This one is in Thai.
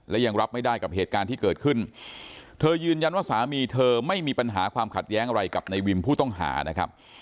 และยังรับไม่ได้กับเหตุการณ์ที่เกิดขึ้นเธอยืนยันว่าสามีเธอไม่มีปัญหาความขัดแย้งอะไรกับในวิมผู้ต้องหานะครับ